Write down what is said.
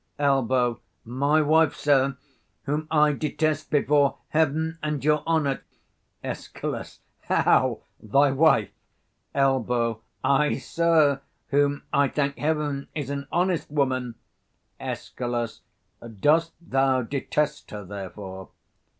65 Elb. My wife, sir, whom I detest before heaven and your honour, Escal. How? thy wife? Elb. Ay, sir; whom, I thank heaven, is an honest woman, 70 Escal. Dost thou detest her therefore?